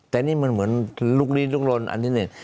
แต่นี่มันเหมือนลุกลี้ลุกลนอันที่หนึ่ง